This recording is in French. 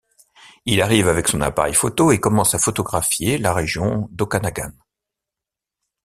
Il arrive avec son appareil photo et commence à photographier la région d'Okanagan.